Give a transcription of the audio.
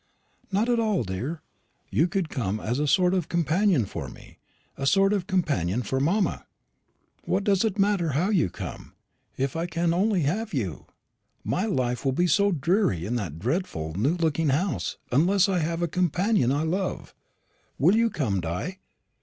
"Not at all, dear; you could come as a sort of companion for me, or a sort of companion for mamma. What does it matter how you come, if I can only have you? My life will be so dreary in that dreadful new looking house, unless I have a companion I love. Will you come, Di?